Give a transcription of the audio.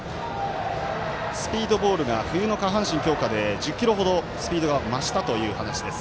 スピードボールが冬の下半身強化で１０キロ程スピードが増したという話です。